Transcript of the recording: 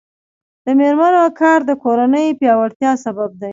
د میرمنو کار د کورنۍ پیاوړتیا سبب دی.